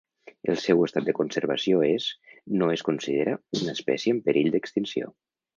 El seu estat de conservació és: no es considera una espècie en perill d'extinció.